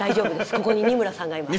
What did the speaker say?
ここに二村さんがいます。